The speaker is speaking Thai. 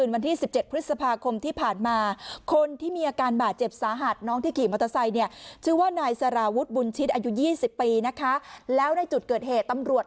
วันที่๑๗พฤษภาคมที่ผ่านมา